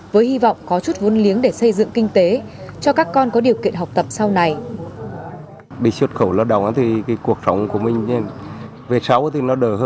với hy vọng có chút vốn liếng để xây dựng kinh tế cho các con có điều kiện học tập sau này